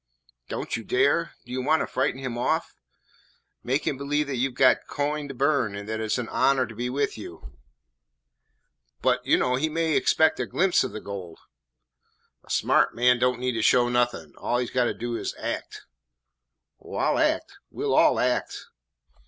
"Don't you dare? Do you want to frighten him off? Make him believe that you 've got coin to burn and that it 's an honour to be with you." "But, you know, he may expect a glimpse of the gold." "A smart man don't need to show nothin'. All he 's got to do is to act." "Oh, I 'll act; we 'll all act."